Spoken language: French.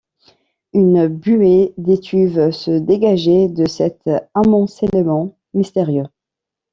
Une buée d’étuve se dégageait de cet amoncellement mystérieux.